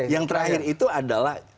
yang terakhir itu adalah